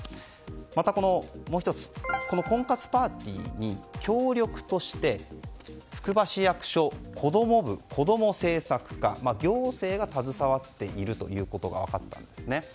またこの婚活パーティーに協力としてつくば市役所こども部こども政策課行政が携わっていることが分かったんです。